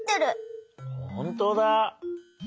ほんとうだ！